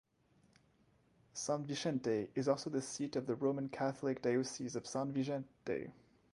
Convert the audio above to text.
San Vicente is also the seat of the Roman Catholic Diocese of San Vicente.